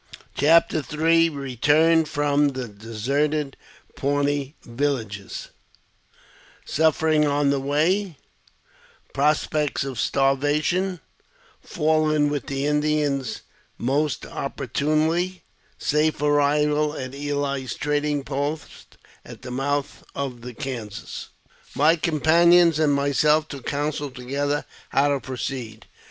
CHAPTEE III. Eeturn from the deserted Pawnee Villages — Sufferings on the Way — Prospect of Starvation — Fall in with the Indians most opportunely — Safe Arrival at Ely's Trading post at the mouth of the Kansas. MY companion and myself took counsel together how to proceed.